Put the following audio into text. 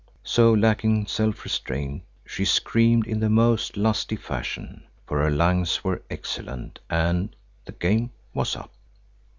So, lacking self restraint, she screamed in the most lusty fashion, for her lungs were excellent, and—the game was up.